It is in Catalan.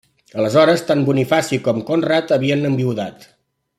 Aleshores, tant Bonifaci com Conrad havien enviudat.